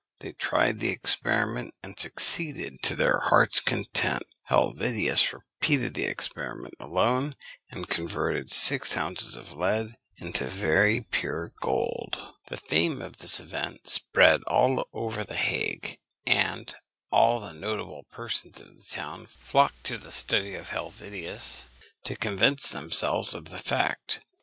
They tried the experiment, and succeeded to their heart's content. Helvetius repeated the experiment alone, and converted six ounces of lead into very pure gold. The fame of this event spread all over the Hague, and all the notable persons of the town flocked to the study of Helvetius to convince themselves of the fact.